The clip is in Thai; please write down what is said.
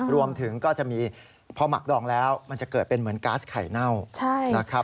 รวมถึงก็จะมีพอหมักดองแล้วมันจะเกิดเป็นเหมือนก๊าซไข่เน่านะครับ